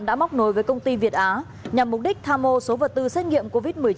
đã móc nối với công ty việt á nhằm mục đích tham mô số vật tư xét nghiệm covid một mươi chín